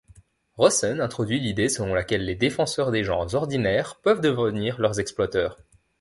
Rossen introduit l'idée selon laquelle les défenseurs des gens ordinaires peuvent devenir leurs exploiteurs.